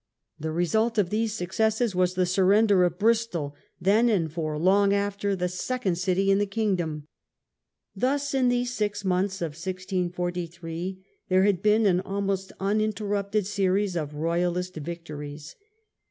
The result of these successes was the surrender of Bristol, then, and for long after, the second city in the kingdom. Thus in these six months of 1643 there had been an almost uninterrupted series of Royalist victories.